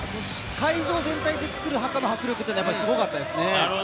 会場全体で作るハカの迫力がすごかったですね。